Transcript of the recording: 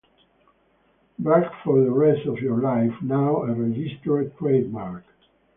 Brag for the rest of your life, now a registered trademark.